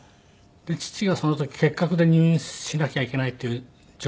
で父がその時結核で入院しなきゃいけないっていう状態で。